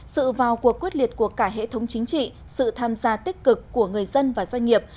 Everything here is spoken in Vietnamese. sự vào cuộc quyết liệt của cả hệ thống chính trị sự tham gia tích cực của người dân và doanh nghiệp